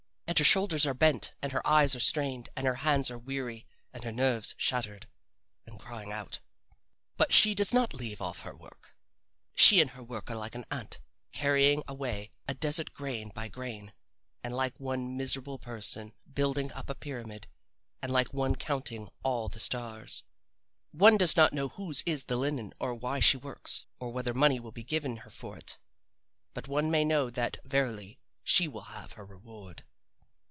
And her shoulders are bent and her eyes are strained and her hands are weary and her nerves shattered and crying out. But she does not leave off her work. She and her work are like an ant carrying away a desert grain by grain, and like one miserable person building up a pyramid, and like one counting all the stars. One does not know whose is the linen or why she works, or whether money will be given her for it. But one may know that verily she will have her reward.